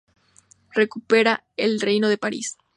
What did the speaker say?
Recupera el reino de París.